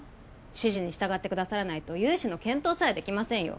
指示に従ってくださらないと融資の検討さえできませんよ